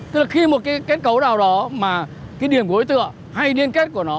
tức là khi một cái kết cấu nào đó mà cái điểm gối tựa hay liên kết của nó